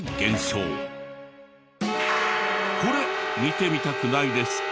これ見てみたくないですか？